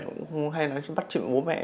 không hay nói chuyện bắt chuyện với bố mẹ